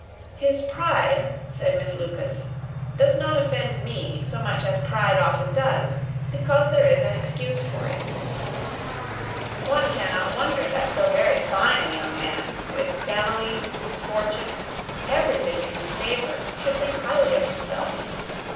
"His pride," said Miss Lucas, "does not offend me so much as pride often does, because there is an excuse for it. One cannot wonder that so very fine a young man, with family, fortune, everything in his favour, should think highly of himself.